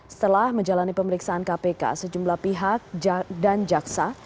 setelah menjalani pemeriksaan kpk sejumlah pihak dan jaksa